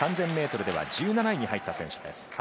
３０００ｍでは１７位に入った選手です。